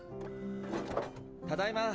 ただいま。